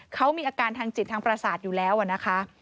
เขามีอาการทางจิตทางประสาทอยู่แล้วนะคะ